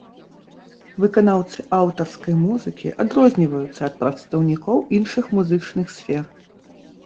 Выканаўцы аўтарскай музыкі адрозніваюцца ад прадстаўнікоў іншых музычных сфер.